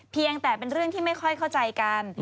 เพียงแต่เป็นเรื่องที่ไม่ค่อยเข้าใจกัน